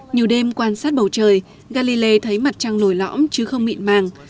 nhiều đêm quan sát bầu trời galilei thấy mặt trăng lồi lõm chứ không mịn màng